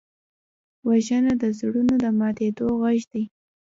وژنه د زړونو د ماتېدو غږ دی